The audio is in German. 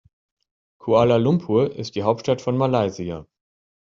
Kuala Lumpur ist die Hauptstadt von Malaysia.